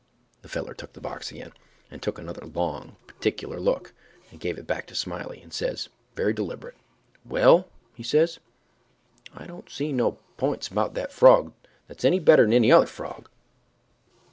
The feller took the box again, and took another long, particular look, and give it back to Smiley, and says, very deliberate, "Well," he says, "I don't see no p'ints about that frog that's any better'n any other frog."